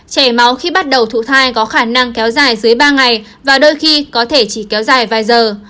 chảy máu khi bắt đầu thụ thai có khả năng kéo dài dưới ba ngày và đôi khi có thể chỉ kéo dài vài giờ